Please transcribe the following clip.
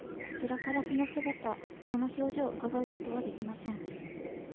こちらからその姿、その表情、うかがうことはできません。